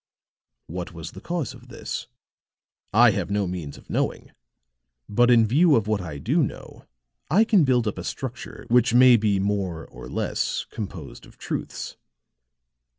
"What was the cause of this? I have no means of knowing, but in view of what I do know, I can build up a structure which may be more or less composed of truths.